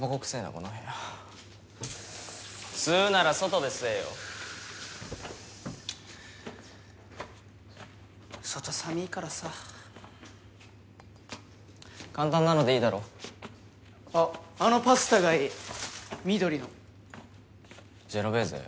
この部屋吸うなら外で吸えよ外寒ぃからさ簡単なのでいいだろあっあのパスタがいい緑のジェノベーゼ？